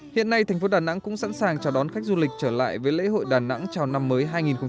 hiện nay thành phố đà nẵng cũng sẵn sàng chào đón khách du lịch trở lại với lễ hội đà nẵng chào năm mới hai nghìn hai mươi